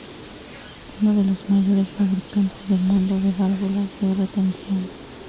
Uno de los mayores fabricantes del mundo de válvulas de retención.